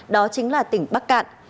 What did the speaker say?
đó chính là tỉnh bắc cạn